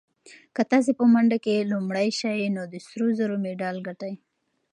که تاسي په منډه کې لومړی شئ نو د سرو زرو مډال ګټئ.